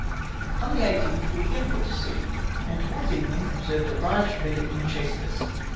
On the 18 th we again put to sea, and towards even ing observed a large frigate in chase of us.